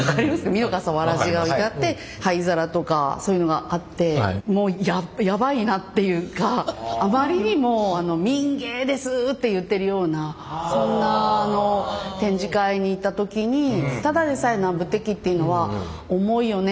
みのかさわらじが置いてあって灰皿とかそういうのがあってもうやばいなっていうかあまりにも民芸です！って言ってるようなそんな展示会に行った時にただでさえ南部鉄器っていうのは重いよね